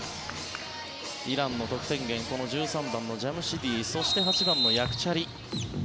イランの得点源この１３番のジャムシディそして、８番のヤクチャリ。